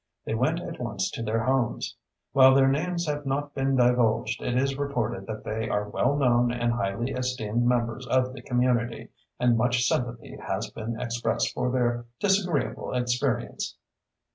They went at once to their homes. While their names have not been divulged it is reported that they are well known and highly esteemed members of the community, and much sympathy has been expressed for their disagreeable experience.